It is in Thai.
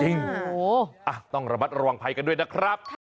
จริงอ่ะต้องระบัดระวังภัยกันด้วยนะครับ